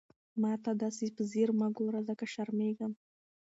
ما ته داسې په ځير سره مه ګوره، ځکه شرمېږم.